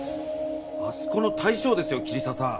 あそこの大将ですよ桐沢さん。